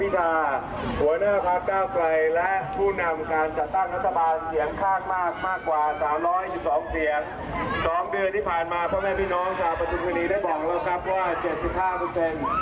ต้องการความเปลี่ยนแปลงและสำคัญให้ประธุมธานีไม่เหมือนเดิม